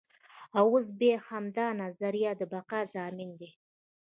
اوس بیا همدا نظریه د بقا ضامن دی.